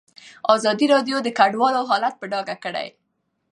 ازادي راډیو د کډوال حالت په ډاګه کړی.